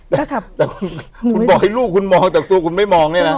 แต่คุณคุณบอกให้ลูกคุณมองแต่ตัวคุณไม่มองเนี่ยนะ